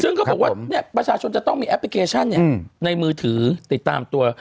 ซึ่งเขาบอกว่าประชาชนจะต้องมีแอปพลิเคชันในมือถือติดตามตัว